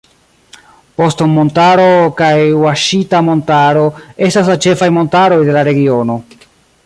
Boston-Montaro kaj Ŭaŝita-Montaro estas la ĉefaj montaroj de la regiono.